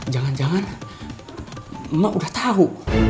jangan jangan emak udah tahu